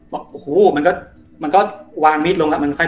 มันก็วางมิดลงแล้ว